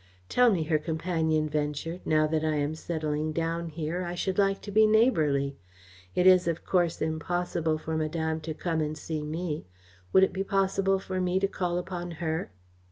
"Tell me," her companion ventured; "now that I am settling down here, I should like to be neighbourly. It is, of course, impossible for Madame to come and see me would it be possible for me to call upon her?"